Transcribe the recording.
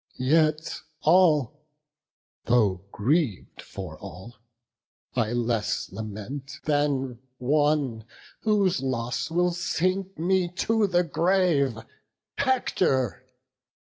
Yet all, though griev'd for all, I less lament, Than one, whose loss will sink me to the grave, Hector!